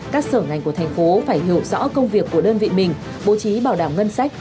các sở ngành của thành phố phải hiểu rõ công việc của đơn vị mình bố trí bảo đảm ngân sách